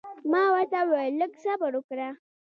ما ورته وویل لږ صبر وکړه.